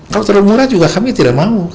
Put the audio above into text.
kalau terlalu murah juga kami tidak mau